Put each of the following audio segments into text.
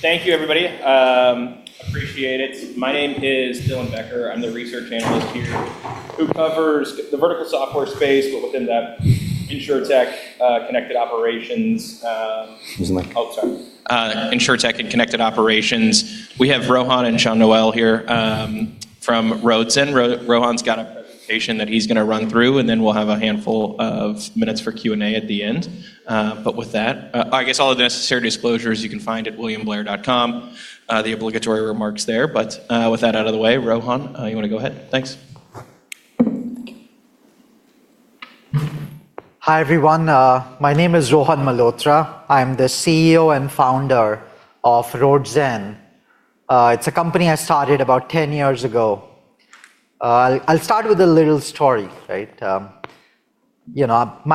Thank you, everybody. Appreciate it. My name is Dylan Becker. I am the research analyst here who covers the vertical software space, but within that, insurtech, connected operations. Use the mic. Oh, sorry. Insurtech and connected operations. We have Rohan and Jean-Noël here from Roadzen. Rohan's got a presentation that he's going to run through, and then we'll have a handful of minutes for Q&A at the end. With that, I guess all the necessary disclosures you can find at williamblair.com, the obligatory remarks there. With that out of the way, Rohan, you want to go ahead? Thanks. Hi, everyone. My name is Rohan Malhotra. I'm the CEO and founder of Roadzen. It's a company I started about 10 years ago. I'll start with a little story. My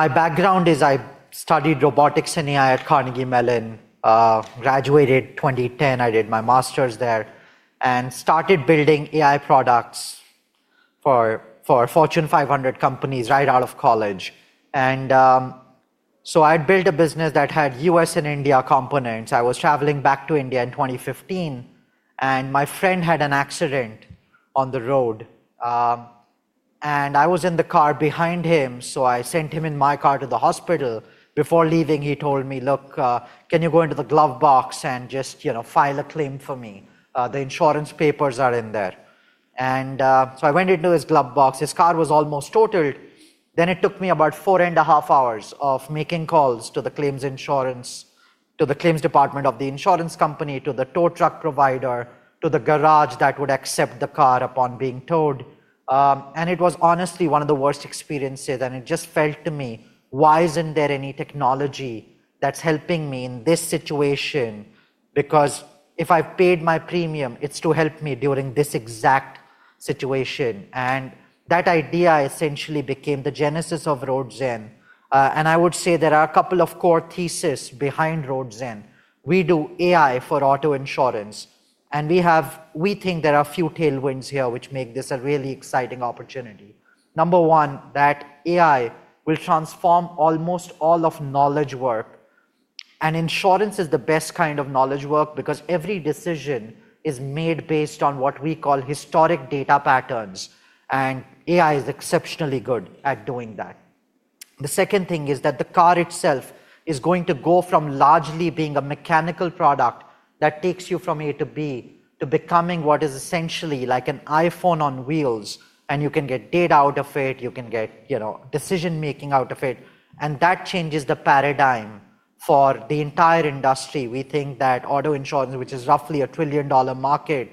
background is I studied robotics and AI at Carnegie Mellon, graduated 2010. I did my master's there and started building AI products for Fortune 500 companies right out of college. I'd built a business that had U.S. and India components. I was traveling back to India in 2015, and my friend had an accident on the road, and I was in the car behind him, so I sent him in my car to the hospital. Before leaving, he told me, "Look, can you go into the glove box and just file a claim for me? The insurance papers are in there." I went into his glove box. His car was almost totaled. It took me about four and a half hours of making calls to the claims department of the insurance company, to the tow truck provider, to the garage that would accept the car upon being towed. It was honestly one of the worst experiences, and it just felt to me, why isn't there any technology that's helping me in this situation? If I paid my premium, it's to help me during this exact situation. That idea essentially became the genesis of Roadzen. I would say there are a couple of core theses behind Roadzen. We do AI for auto insurance, and we think there are a few tailwinds here which make this a really exciting opportunity. Number one, that AI will transform almost all of knowledge work. Insurance is the best kind of knowledge work because every decision is made based on what we call historic data patterns, and AI is exceptionally good at doing that. The second thing is that the car itself is going to go from largely being a mechanical product that takes you from A to B to becoming what is essentially like an iPhone on wheels, and you can get data out of it, you can get decision-making out of it, and that changes the paradigm for the entire industry. We think that auto insurance, which is roughly a trillion-dollar market,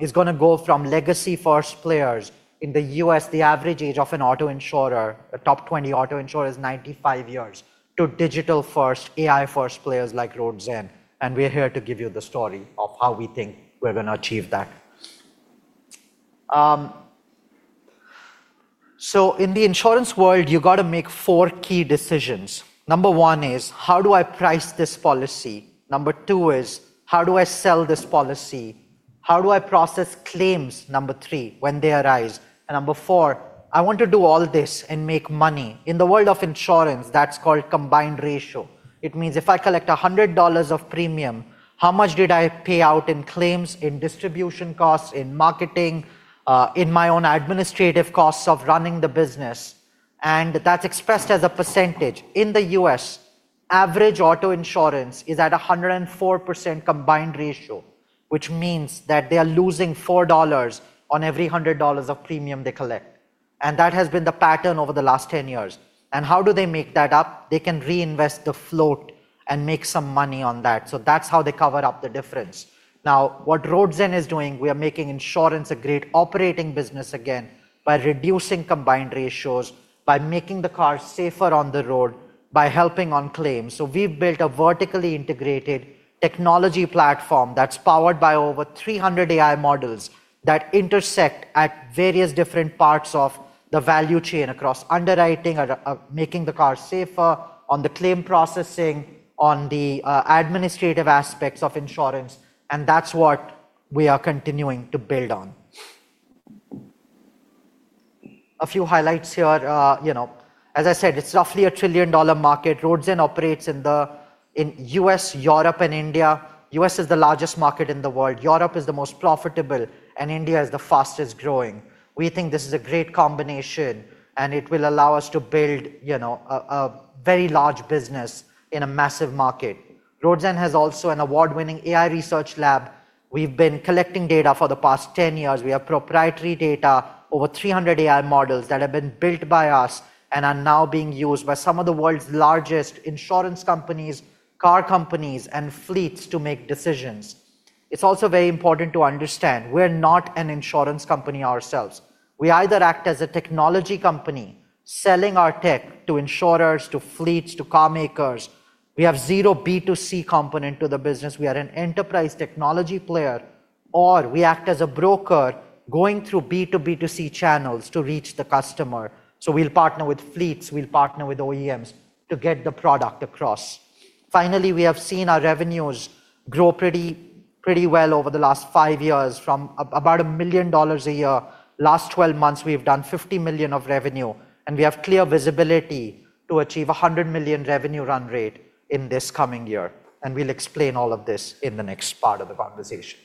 is going to go from legacy-first players. In the U.S., the average age of an auto insurer, a top 20 auto insurer, is 95 years, to digital-first, AI-first players like Roadzen, and we're here to give you the story of how we think we're going to achieve that. In the insurance world, you've got to make four key decisions. Number one is, how do I price this policy? Number two is, how do I sell this policy? How do I process claims, Number three, when they arise? Number four, I want to do all this and make money. In the world of insurance, that's called combined ratio. It means if I collect $100 of premium, how much did I pay out in claims, in distribution costs, in marketing, in my own administrative costs of running the business? That's expressed as a %. In the U.S., average auto insurance is at 104% combined ratio, which means that they are losing $4 on every $100 of premium they collect. That has been the pattern over the last 10 years. How do they make that up? They can reinvest the float and make some money on that. That's how they cover up the difference. What Roadzen is doing, we are making insurance a great operating business again by reducing combined ratios, by making the car safer on the road, by helping on claims. We've built a vertically integrated technology platform that's powered by over 300 AI models that intersect at various different parts of the value chain across underwriting, making the car safer, on the claim processing, on the administrative aspects of insurance, and that's what we are continuing to build on. A few highlights here. As I said, it's roughly a trillion-dollar market. Roadzen operates in the U.S., Europe, and India. U.S. is the largest market in the world, Europe is the most profitable, and India is the fastest-growing. We think this is a great combination, and it will allow us to build a very large business in a massive market. Roadzen has also an award-winning AI research lab. We've been collecting data for the past 10 years. We have proprietary data, over 300 AI models that have been built by us and are now being used by some of the world's largest insurance companies, car companies, and fleets to make decisions. It's also very important to understand we're not an insurance company ourselves. We either act as a technology company selling our tech to insurers, to fleets, to car makers. We have zero B2C component to the business. We are an enterprise technology player, or we act as a broker going through B2B2C channels to reach the customer. We'll partner with fleets, we'll partner with OEMs to get the product across. Finally, we have seen our revenues grow pretty well over the last five years, from about $1 million a year. Last 12 months, we have done $50 million of revenue, and we have clear visibility to achieve $100 million revenue run rate in this coming year. We'll explain all of this in the next part of the conversation.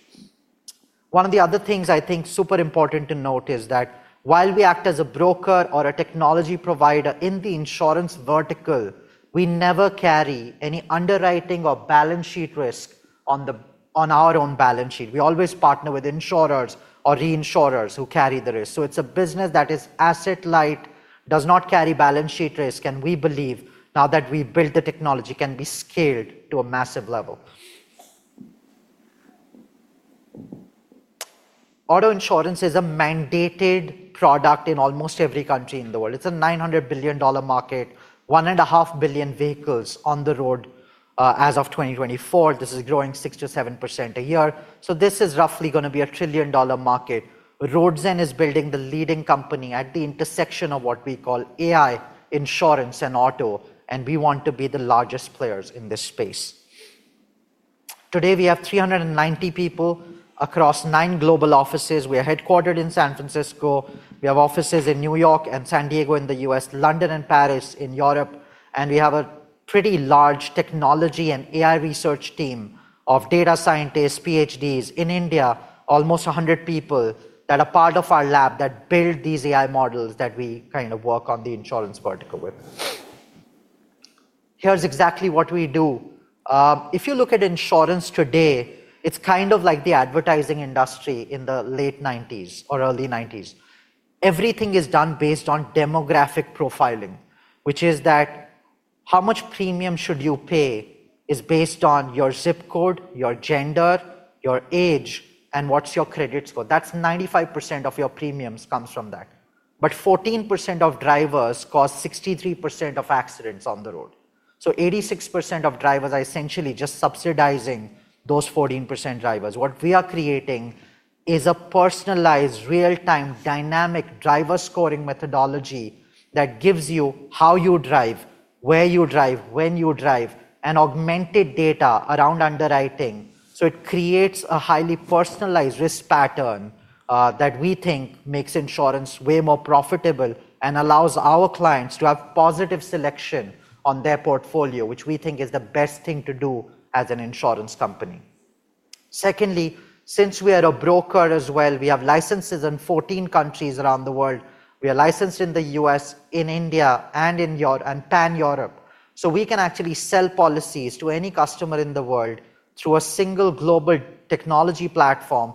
One of the other things I think super important to note is that while we act as a broker or a technology provider in the insurance vertical, we never carry any underwriting or balance sheet risk on our own balance sheet. We always partner with insurers or reinsurers who carry the risk. It's a business that is asset light, does not carry balance sheet risk, and we believe now that we've built the technology, can be scaled to a massive level. Auto insurance is a mandated product in almost every country in the world. It's a $900 billion market, 1.5 billion vehicles on the road, as of 2024. This is growing 6%-7% a year. This is roughly going to be a trillion-dollar market. Roadzen is building the leading company at the intersection of what we call AI insurance and auto, and we want to be the largest players in this space. Today, we have 390 people across nine global offices. We are headquartered in San Francisco. We have offices in New York and San Diego in the U.S., London and Paris in Europe, and we have a pretty large technology and AI research team of data scientists, PhDs in India. Almost 100 people that are part of our lab that build these AI models that we work on the insurance vertical with. Here's exactly what we do. If you look at insurance today, it's like the advertising industry in the late 1990s or early 1990s. Everything is done based on demographic profiling, which is that how much premium should you pay is based on your ZIP code, your gender, your age, and what's your credit score. That's 95% of your premiums comes from that. 14% of drivers cause 63% of accidents on the road. 86% of drivers are essentially just subsidizing those 14% drivers. What we are creating is a personalized, real-time, dynamic driver scoring methodology that gives you how you drive, where you drive, when you drive, and augmented data around underwriting. It creates a highly personalized risk pattern, that we think makes insurance way more profitable and allows our clients to have positive selection on their portfolio, which we think is the best thing to do as an insurance company. Secondly, since we are a broker as well, we have licenses in 14 countries around the world. We are licensed in the U.S., in India, and pan-Europe. We can actually sell policies to any customer in the world through a single global technology platform,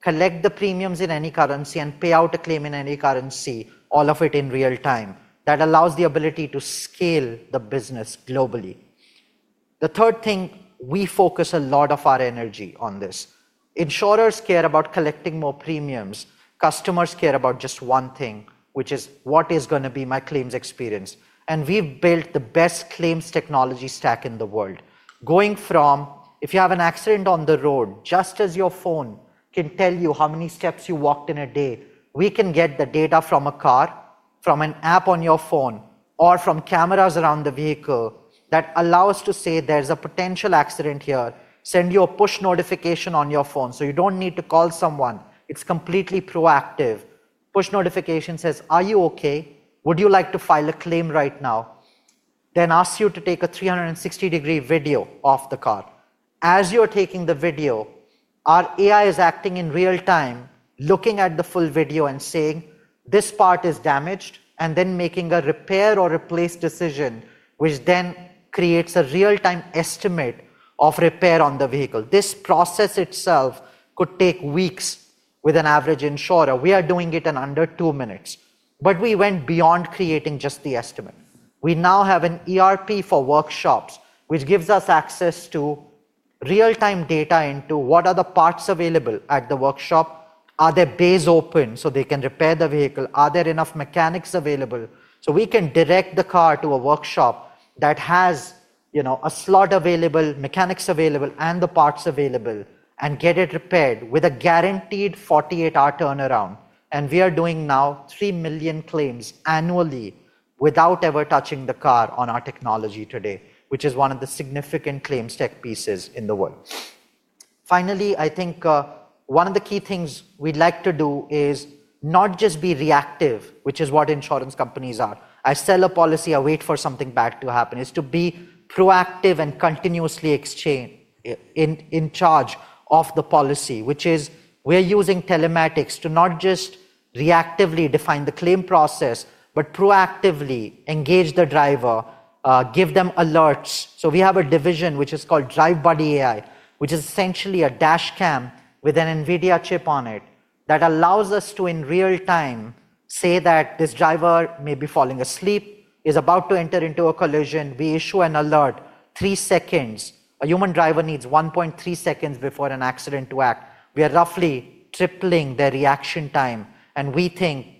collect the premiums in any currency, and pay out a claim in any currency, all of it in real time. That allows the ability to scale the business globally. The third thing, we focus a lot of our energy on this. Insurers care about collecting more premiums. Customers care about just one thing, which is: what is going to be my claims experience? We've built the best claims technology stack in the world. Going from, if you have an accident on the road, just as your phone can tell you how many steps you walked in a day, we can get the data from a car, from an app on your phone, or from cameras around the vehicle that allow us to say there's a potential accident here. Send you a push notification on your phone so you don't need to call someone. It's completely proactive. Push notification says, "Are you okay? Would you like to file a claim right now?" Asks you to take a 360-degree video of the car. As you're taking the video, our AI is acting in real time, looking at the full video and saying, "This part is damaged," and then making a repair or replace decision, which then creates a real-time estimate of repair on the vehicle. This process itself could take weeks with an average insurer. We are doing it in under two minutes, we went beyond creating just the estimate. We now have an ERP for workshops, which gives us access to real-time data into what are the parts available at the workshop. Are their bays open so they can repair the vehicle? Are there enough mechanics available? We can direct the car to a workshop that has a slot available, mechanics available, and the parts available, and get it repaired with a guaranteed 48-hour turnaround. We are doing now 3 million claims annually without ever touching the car on our technology today, which is one of the significant claims tech pieces in the world. Finally, I think one of the key things we'd like to do is not just be reactive, which is what insurance companies are. I sell a policy, I wait for something bad to happen. It's to be proactive and continuously in charge of the policy, which is we're using telematics to not just reactively define the claim process, but proactively engage the driver, give them alerts. We have a division which is called drivebuddyAI, which is essentially a dashcam with an Nvidia chip on it that allows us to, in real time, say that this driver may be falling asleep, is about to enter into a collision. We issue an alert, three seconds. A human driver needs 1.3 seconds before an accident to act. We are roughly tripling their reaction time, and we've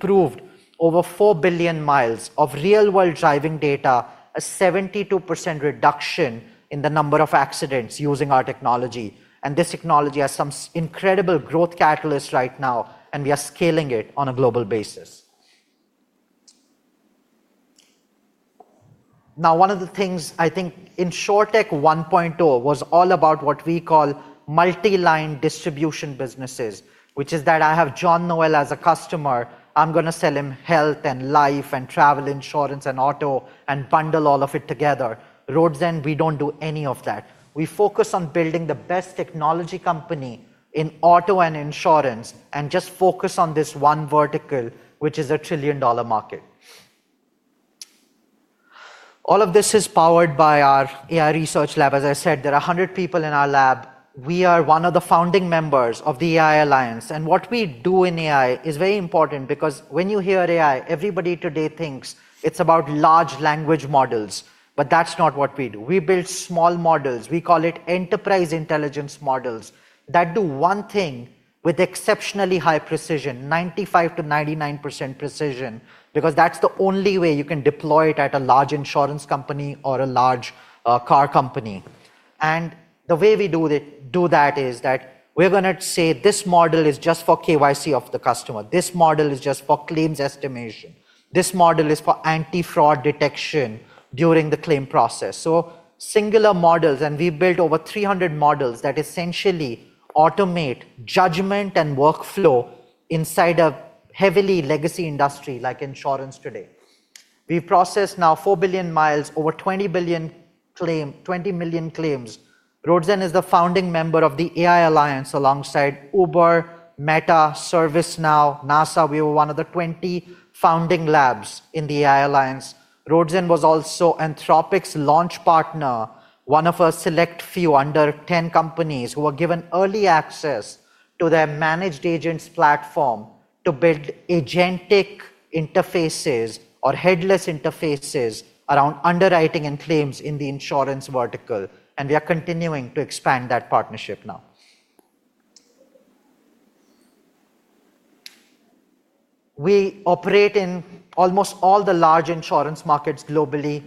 proved over 4 billion miles of real-world driving data, a 72% reduction in the number of accidents using our technology. This technology has some incredible growth catalysts right now, and we are scaling it on a global basis. One of the things I think Insurtech 1.0 was all about what we call multi-line distribution businesses, which is that I have Jean-Noël as a customer, I'm going to sell him health and life and travel insurance and auto and bundle all of it together. Roadzen, we don't do any of that. We focus on building the best technology company in auto and insurance and just focus on this one vertical, which is a trillion-dollar market. All of this is powered by our AI research lab. As I said, there are 100 people in our lab. We are one of the founding members of the AI Alliance, and what we do in AI is very important because when you hear AI, everybody today thinks it's about large language models, but that's not what we do. We build small models. We call it enterprise intelligence models that do one thing with exceptionally high precision, 95%-99% precision, because that's the only way you can deploy it at a large insurance company or a large car company. The way we do that is that we're going to say this model is just for KYC of the customer. This model is just for claims estimation. This model is for anti-fraud detection during the claim process. Singular models, and we built over 300 models that essentially automate judgment and workflow inside a heavily legacy industry like insurance today. We've processed now 4 billion miles, over 20 million claims. Roadzen is the founding member of the AI Alliance, alongside Uber, Meta, ServiceNow, NASA. We were one of the 20 founding labs in the AI Alliance. Roadzen was also Anthropic's launch partner, one of a select few under 10 companies who were given early access to their managed agents platform to build agentic interfaces or headless interfaces around underwriting and claims in the insurance vertical. We are continuing to expand that partnership now. We operate in almost all the large insurance markets globally.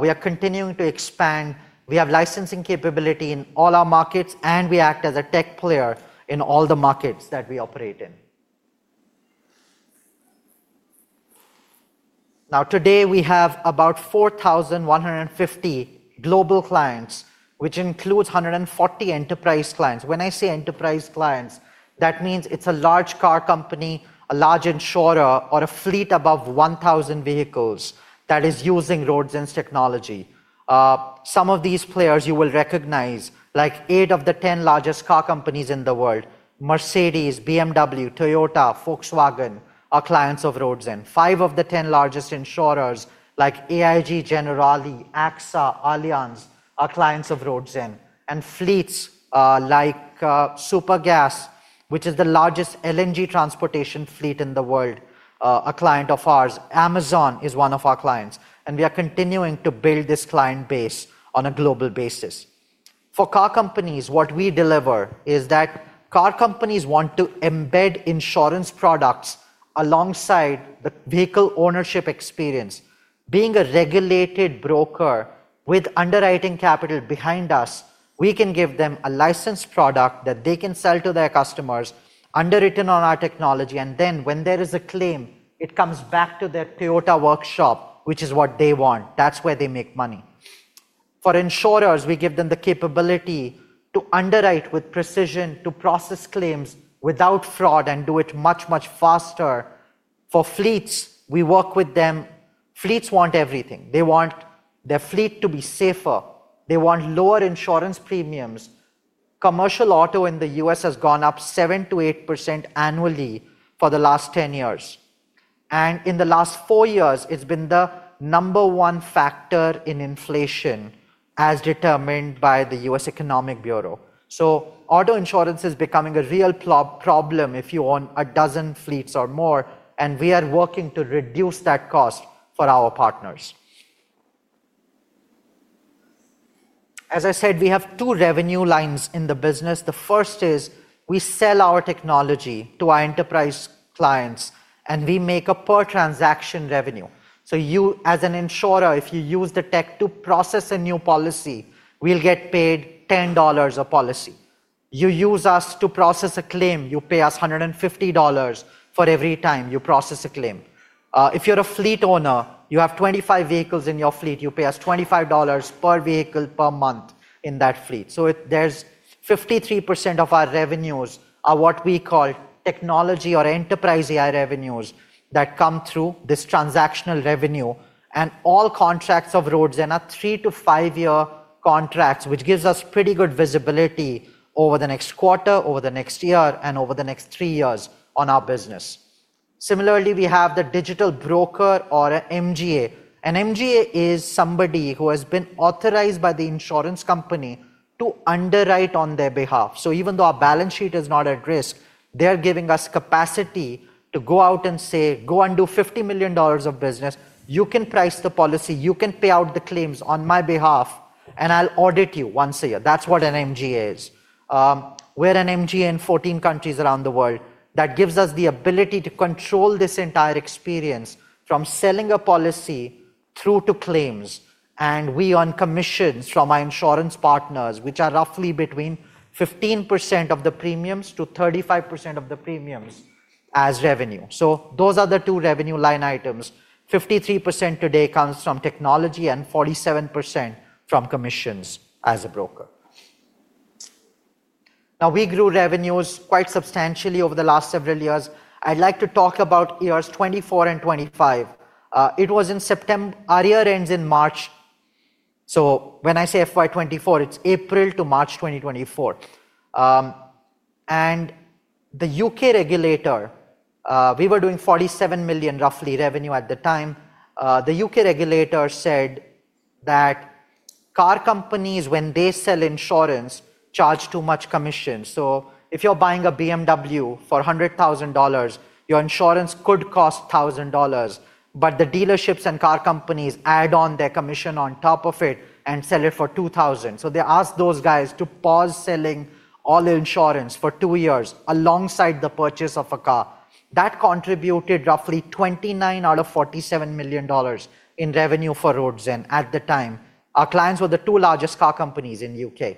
We are continuing to expand. We have licensing capability in all our markets, and we act as a tech player in all the markets that we operate in. Today, we have about 4,150 global clients, which includes 140 enterprise clients. When I say enterprise clients, that means it's a large car company, a large insurer, or a fleet above 1,000 vehicles that is using Roadzen's technology. Some of these players you will recognize, like eight of the 10 largest car companies in the world. Mercedes, BMW, Toyota, Volkswagen, are clients of Roadzen. five of the 10 largest insurers, like AIG, Generali, AXA, Allianz, are clients of Roadzen. Fleets like Supergas, which is the largest LNG transportation fleet in the world, are client of ours. Amazon is one of our clients, we are continuing to build this client base on a global basis. For car companies, what we deliver is that car companies want to embed insurance products alongside the vehicle ownership experience. Being a regulated broker with underwriting capital behind us, we can give them a licensed product that they can sell to their customers underwritten on our technology, then when there is a claim, it comes back to their Toyota workshop, which is what they want. That's where they make money. For insurers, we give them the capability to underwrite with precision, to process claims without fraud, and do it much, much faster. For fleets, we work with them. Fleets want everything. They want their fleet to be safer. They want lower insurance premiums. Commercial auto in the U.S. has gone up 7%-8% annually for the last 10 years. In the last four years, it's been the number one factor in inflation as determined by the U.S. Economic Bureau. Auto insurance is becoming a real problem if you own 12 fleets or more, and we are working to reduce that cost for our partners. As I said, we have two revenue lines in the business. The first is we sell our technology to our enterprise clients, and we make a per-transaction revenue. You, as an insurer, if you use the tech to process a new policy, we'll get paid $10 a policy. You use us to process a claim, you pay us $150 for every time you process a claim. If you're a fleet owner, you have 25 vehicles in your fleet, you pay us $25 per vehicle per month in that fleet. 53% of our revenues are what we call technology or enterprise AI revenues that come through this transactional revenue, and all contracts of Roadzen are three to five-year contracts, which gives us pretty good visibility over the next quarter, over the next year, and over the next three years on our business. Similarly, we have the digital broker or an MGA. An MGA is somebody who has been authorized by the insurance company to underwrite on their behalf. Even though our balance sheet is not at risk, they're giving us capacity to go out and say, "Go and do $50 million of business. You can price the policy. You can pay out the claims on my behalf, and I'll audit you once a year." That's what an MGA is. We're an MGA in 14 countries around the world. That gives us the ability to control this entire experience from selling a policy through to claims, and we earn commissions from our insurance partners, which are roughly between 15% of the premiums to 35% of the premiums as revenue. Those are the two revenue line items. 53% today comes from technology and 47% from commissions as a broker. We grew revenues quite substantially over the last several years. I'd like to talk about years 2024 and 2025. Our year ends in March, so when I say FY 2024, it's April to March 2024. The U.K. regulator, we were doing $47 million roughly revenue at the time. The U.K. regulator said that car companies, when they sell insurance, charge too much commission. If you're buying a BMW for $100,000, your insurance could cost $1,000, but the dealerships and car companies add on their commission on top of it and sell it for $2,000. They asked those guys to pause selling all insurance for two years alongside the purchase of a car. That contributed roughly $29 out of $47 million in revenue for Roadzen at the time. Our clients were the two largest car companies in the U.K.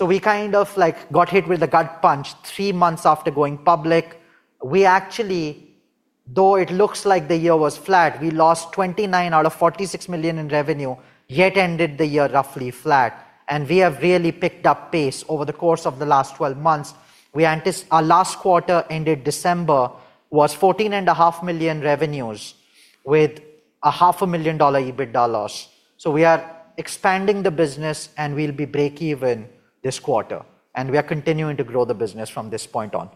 We kind of got hit with a gut punch three months after going public. We actually, though it looks like the year was flat, we lost $29 out of $46 million in revenue, yet ended the year roughly flat. We have really picked up pace over the course of the last 12 months. Our last quarter ended December, was $14.5 million revenues with a $0.5 million EBITDA loss. We are expanding the business, and we'll be break-even this quarter, and we are continuing to grow the business from this point on.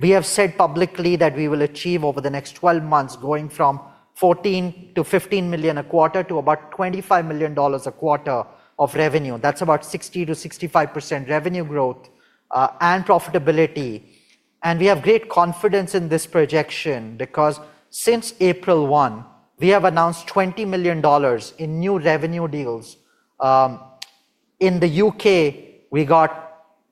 We have said publicly that we will achieve over the next 12 months, going from $14 million-$15 million a quarter to about $25 million a quarter of revenue. That's about 60%-65% revenue growth, and profitability. We have great confidence in this projection because since April 1, we have announced $20 million in new revenue deals. In the U.K.,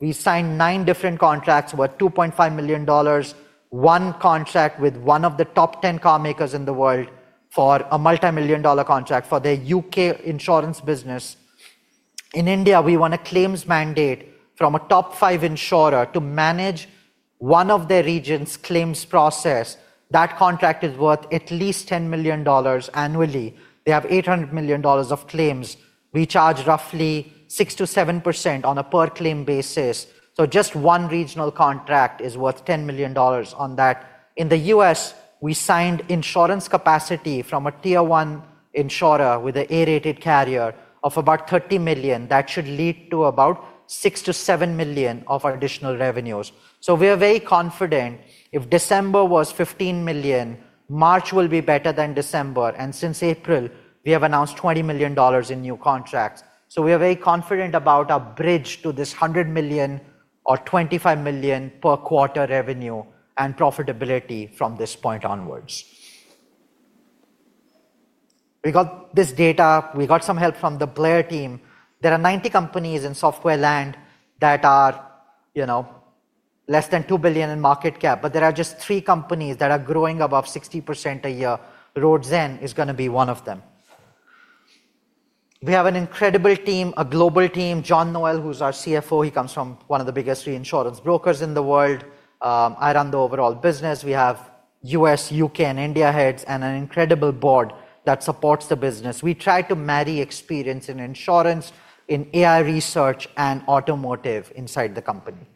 we signed nine different contracts worth $2.5 million, one contract with one of the top 10 car makers in the world for a multimillion-dollar contract for their U.K. insurance business. In India, we won a claims mandate from a top five insurer to manage one of their regions' claims process. That contract is worth at least $10 million annually. They have $800 million of claims. We charge roughly 6%-7% on a per claim basis, so just one regional contract is worth $10 million on that. In the U.S., we signed insurance capacity from a tier 1 insurer with an A-rated carrier of about $30 million. That should lead to about $6 million-$7 million of additional revenues. We are very confident if December was $15 million, March will be better than December, and since April, we have announced $20 million in new contracts. We are very confident about our bridge to this $100 million or $25 million per quarter revenue and profitability from this point onwards. We got this data. We got some help from the Blair team. There are 90 companies in software land that are less than $2 billion in market cap, but there are just three companies that are growing above 60% a year. Roadzen is going to be one of them. We have an incredible team, a global team. Jean-Noël, who's our CFO, he comes from one of the biggest reinsurance brokers in the world. I run the overall business. We have U.S., U.K., and India heads and an incredible board that supports the business. We try to marry experience in insurance, in AI research, and automotive inside the company.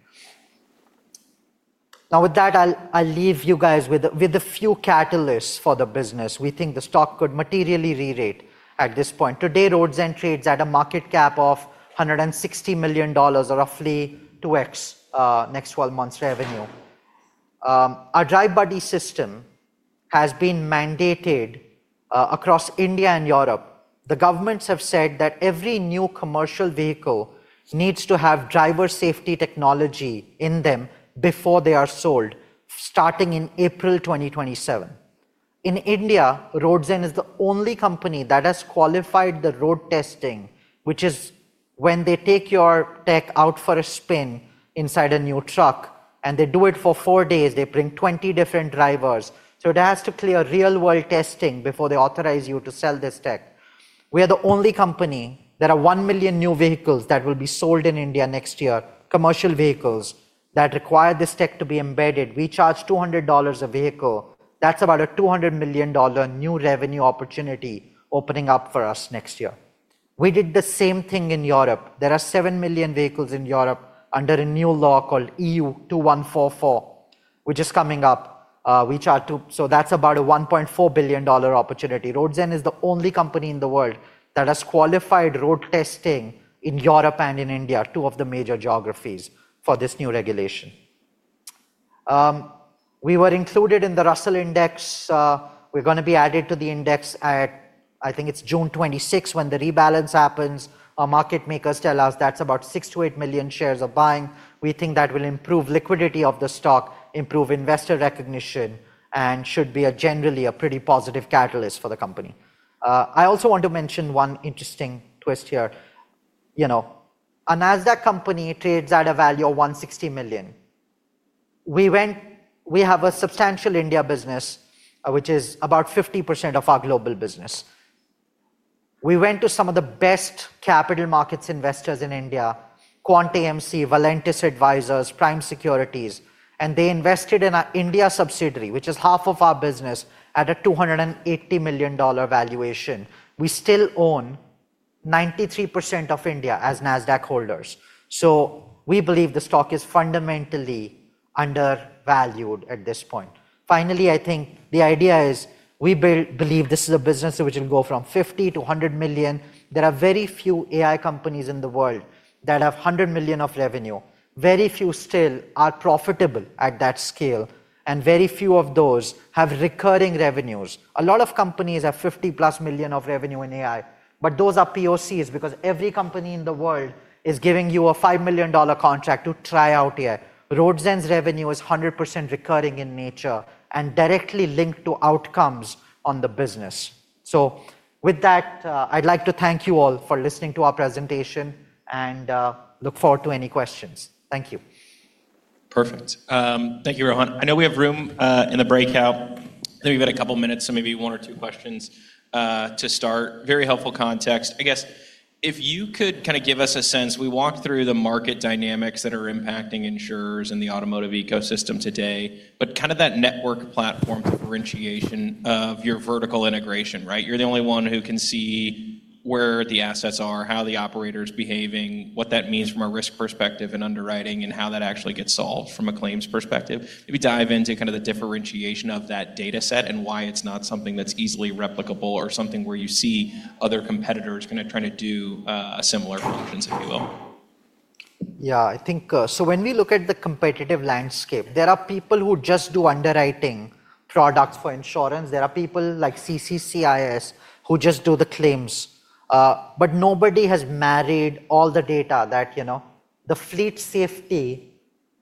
With that, I'll leave you guys with a few catalysts for the business. We think the stock could materially re-rate at this point. Today, Roadzen trades at a market cap of $160 million or roughly 2x next 12 months revenue. Our drivebuddyAI system has been mandated across India and Europe. The governments have said that every new commercial vehicle needs to have driver safety technology in them before they are sold starting in April 2027. In India, Roadzen is the only company that has qualified the road testing, which is when they take your tech out for a spin inside a new truck, and they do it for four days. They bring 20 different drivers. It has to clear real-world testing before they authorize you to sell this tech. We are the only company. There are 1 million new vehicles that will be sold in India next year, commercial vehicles that require this tech to be embedded. We charge $200 a vehicle. That's about a $200 million new revenue opportunity opening up for us next year. We did the same thing in Europe. There are 7 million vehicles in Europe under a new law called EU 2144, which is coming up. That's about a $1.4 billion opportunity. Roadzen is the only company in the world that has qualified road testing in Europe and in India, two of the major geographies for this new regulation. We were included in the Russell Indexes. We're going to be added to the index at, I think it's June 26th when the rebalance happens. Our market makers tell us that's about 6 million-8 million shares of buying. We think that will improve liquidity of the stock, improve investor recognition, and should be generally a pretty positive catalyst for the company. I also want to mention one interesting twist here. A Nasdaq company trades at a value of $160 million. We have a substantial India business, which is about 50% of our global business. We went to some of the best capital markets investors in India, Quant AMC, Valentis Advisors, Prime Securities, and they invested in our India subsidiary, which is half of our business, at a $280 million valuation. We still own 93% of India as Nasdaq holders. We believe the stock is fundamentally undervalued at this point. Finally, I think the idea is we believe this is a business which will go from $50 million-$100 million. There are very few AI companies in the world that have $100 million of revenue. Very few still are profitable at that scale, and very few of those have recurring revenues. A lot of companies have 50 million+ of revenue in AI, but those are POCs because every company in the world is giving you a $5 million contract to try out AI. Roadzen's revenue is 100% recurring in nature and directly linked to outcomes on the business. With that, I'd like to thank you all for listening to our presentation and look forward to any questions. Thank you. Perfect. Thank you, Rohan. I know we have room in the breakout. I think we've got a couple of minutes, so maybe one or two questions to start. Very helpful context. I guess if you could give us a sense, we walked through the market dynamics that are impacting insurers and the automotive ecosystem today, but that network platform differentiation of your vertical integration, right? You're the only one who can see where the assets are, how the operator's behaving, what that means from a risk perspective and underwriting, and how that actually gets solved from a claims perspective. Maybe dive into the differentiation of that data set and why it's not something that's easily replicable or something where you see other competitors going to try to do a similar function, if you will. When we look at the competitive landscape, there are people who just do underwriting products for insurance. There are people like CCCIS who just do the claims. Nobody has married all the data that the fleet safety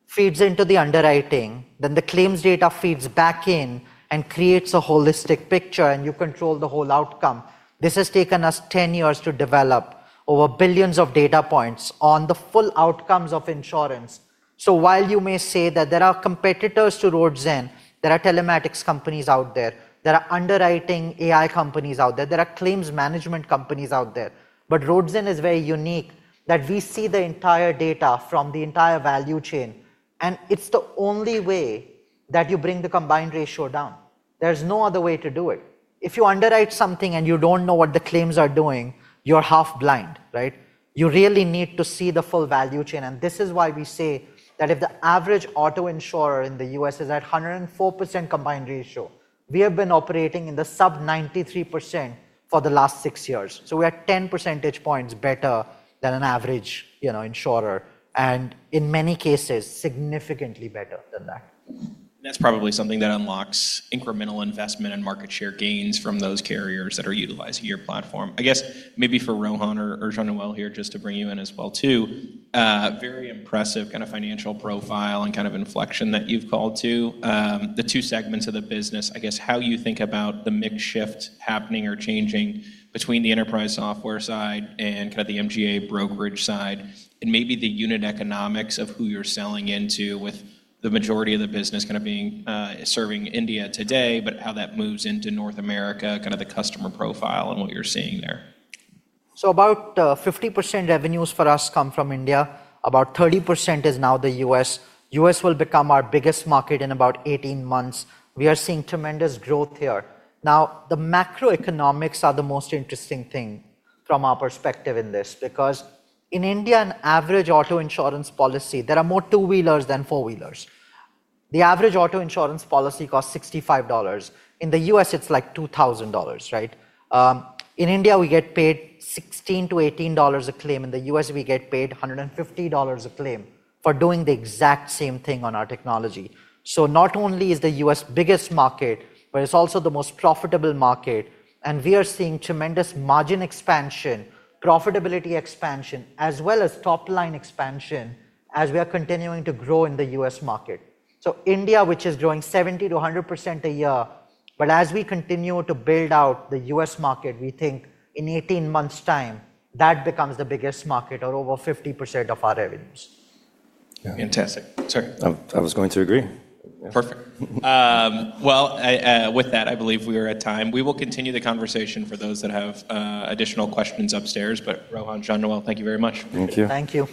feeds into the underwriting, then the claims data feeds back in and creates a holistic picture, and you control the whole outcome. This has taken us 10 years to develop over billions of data points on the full outcomes of insurance. While you may say that there are competitors to Roadzen, there are telematics companies out there are underwriting AI companies out there are claims management companies out there. Roadzen is very unique that we see the entire data from the entire value chain, and it's the only way that you bring the combined ratio down. There's no other way to do it. If you underwrite something and you don't know what the claims are doing, you're half blind, right? You really need to see the full value chain. This is why we say that if the average auto insurer in the U.S. is at 104% combined ratio, we have been operating in the sub 93% for the last six years. We are 10 percentage points better than an average insurer, and in many cases, significantly better than that. That's probably something that unlocks incremental investment and market share gains from those carriers that are utilizing your platform. I guess maybe for Rohan or Jean-Noël here, just to bring you in as well too, very impressive financial profile and inflection that you've called to. The two segments of the business, I guess how you think about the mix shift happening or changing between the enterprise software side and the MGA brokerage side, and maybe the unit economics of who you're selling into with the majority of the business serving India today, but how that moves into North America, the customer profile and what you're seeing there. About 50% revenues for us come from India. About 30% is now the U.S. U.S. will become our biggest market in about 18 months. We are seeing tremendous growth here. The macroeconomics are the most interesting thing from our perspective in this, because in India, an average auto insurance policy, there are more two-wheelers than four-wheelers. The average auto insurance policy costs $65. In the U.S., it's like $2,000, right? In India, we get paid $16-$18 a claim. In the U.S., we get paid $150 a claim for doing the exact same thing on our technology. Not only is the U.S. the biggest market, but it's also the most profitable market, and we are seeing tremendous margin expansion, profitability expansion, as well as top-line expansion as we are continuing to grow in the U.S. market. India, which is growing 70%-100% a year, but as we continue to build out the U.S. market, we think in 18 months' time, that becomes the biggest market or over 50% of our revenues. Fantastic. Sir? I was going to agree. Perfect. Well, with that, I believe we are at time. We will continue the conversation for those that have additional questions upstairs. Rohan, Jean-Noël, thank you very much. Thank you.